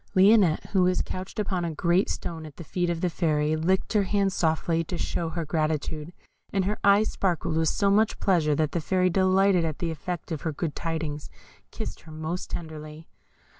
Lionette, who was couched upon a great stone at the feet of the Fairy, licked her hand softly, to show her gratitude, and her eyes sparkled with so much pleasure that the Fairy, delighted at the effect of her good tidings, kissed her most tenderly.